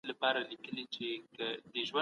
هغوی به د زغم تمرین کړی وي.